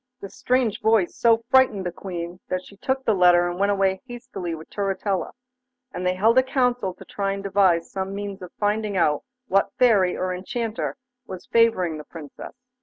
This strange voice so frightened the Queen that she took the letter and went away hastily with Turritella, and they held a council to try and devise some means of finding out what Fairy or Enchanter was favouring the Princess.